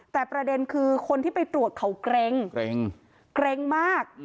แต่ประเด็นคือคนที่ไปตรวจเขาเกร็งเกร็งมาก